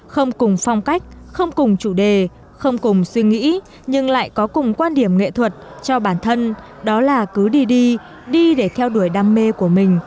không cùng phong cách không cùng chủ đề không cùng suy nghĩ nhưng lại có cùng quan điểm nghệ thuật cho bản thân đó là cứ đi đi để theo đuổi đam mê của mình